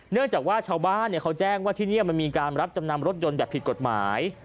เนื่องจากว่าชาวบ้านเขาแจ้งว่าที่นี่มันมีการรับจำนำรถยนต์แบบผิดกฎหมาย